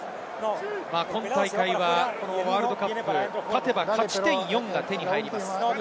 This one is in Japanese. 今大会はワールドカップ、勝てば勝ち点４が手に入ります。